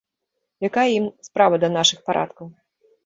Якая ім справа да нашых парадкаў.